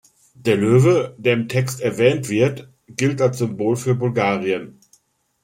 Der Löwe, der im Text erwähnt wird, gilt als Symbol für Bulgarien.